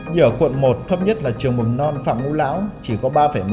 như ở quận một thấp nhất là trường mầm non phạm ngũ lão chỉ có ba một mươi